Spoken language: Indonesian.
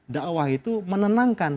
da'wah itu menenangkan